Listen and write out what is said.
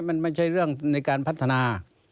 มันไม่ใช่เรื่องในการพัฒนา